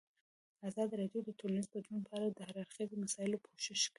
ازادي راډیو د ټولنیز بدلون په اړه د هر اړخیزو مسایلو پوښښ کړی.